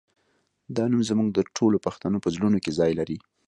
دا نوم زموږ د ټولو پښتنو په زړونو کې ځای لري